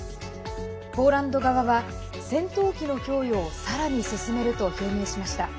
ポーランド側は戦闘機の供与をさらに進めると表明しました。